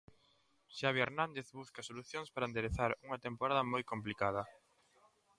Xavi Hernández busca solucións para enderezar unha temporada moi complicada.